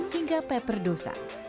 hingga pepper dosa